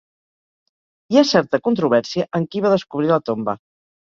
Hi ha certa controvèrsia en qui va descobrir la tomba.